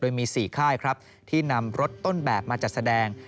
โดยมี๔ค่ายครับที่นำรถต้นแบบมาจัดแสดง